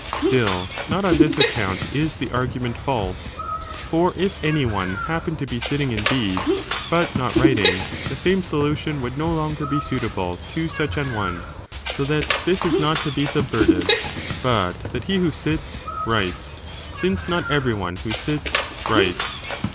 Still, not on this account is the argu ment false, for if any one happen to be sitting indeed, but not writing, the same solution would no longer be suitable to such an one, so that this is not to be subverted, but that he who sits, writes, since not every one who sits, writes.